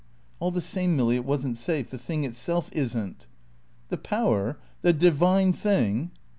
"All the same, Milly, it wasn't safe. The thing itself isn't." "The Power? The divine thing?"